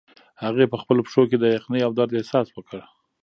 هغې په خپلو پښو کې د یخنۍ او درد احساس وکړ.